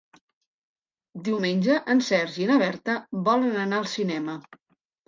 Diumenge en Sergi i na Berta volen anar al cinema.